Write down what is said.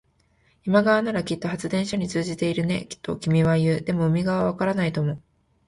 山側ならきっと発電所に通じているね、と君は言う。でも、海側はわからないとも。